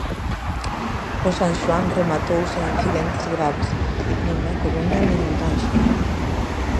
O San Xoán rematou sen incidentes graves nin na Coruña nin en Panxón.